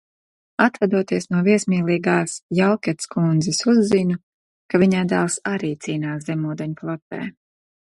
"Atvadoties no "viesmīlīgās" Jaukec kundzes uzzinu, ka viņai dēls arī cīnās zemūdeņu flotē."